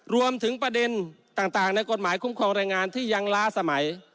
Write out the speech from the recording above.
รวมถึงประเด็นต่างในกฎหมายคุ้มครองแรงงานที่ยังล้าสมัย